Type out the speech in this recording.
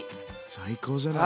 最高じゃない。